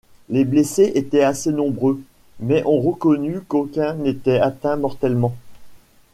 Les blessés étaient assez nombreux, mais on reconnut qu’aucun n’était atteint mortellement.